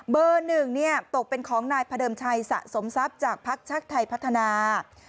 หนึ่งตกเป็นของนายพระเดิมชัยสะสมทรัพย์จากภักดิ์ชาติไทยพัฒนา